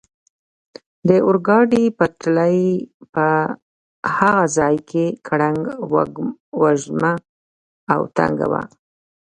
د اورګاډي پټلۍ په هغه ځای کې ګړنګ وزمه او تنګه وه.